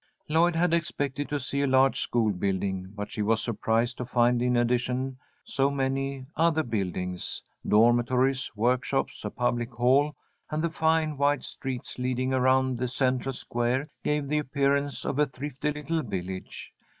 Lloyd had expected to see a large school building, but she was surprised to find in addition so many other buildings. Dormitories, workshops, a public hall, and the fine, wide streets leading around the central square gave the appearance of a thrifty little village.